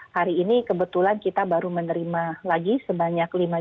hari ini kebetulan kita baru menerima lagi sebanyak lima